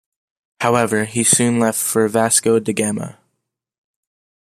However, he soon left for Vasco da Gama.